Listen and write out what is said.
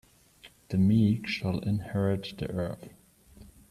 The meek shall inherit the earth.